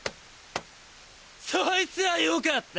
そいつぁよかった！